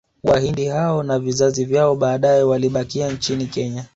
Wahindi hao na vizazi vyao baadae walibakia nchini Kenya